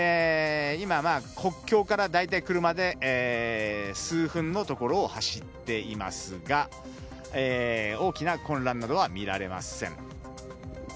今、国境から大体、車で数分のところを走っていますが大きな混乱などは見られません。